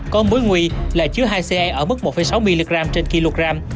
còn mối nguy là chứa hai coroethanol ở mức một sáu mg trên một kg